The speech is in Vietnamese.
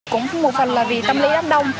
cũng một phần là vì tâm lý rất đông